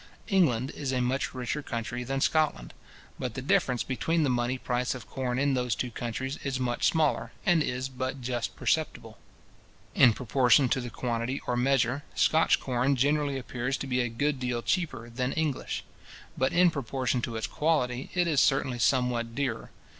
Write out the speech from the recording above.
England is a much richer country than Scotland, but the difference between the money price of corn in those two countries is much smaller, and is but just perceptible. In proportion to the quantity or measure, Scotch corn generally appears to be a good deal cheaper than English; but, in proportion to its quality, it is certainly somewhat dearer.